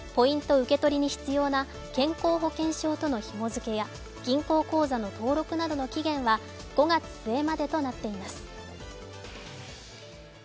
受け取りに必要な健康保険証とのひもづけや銀行口座の登録などの期限は５月末までとなっています。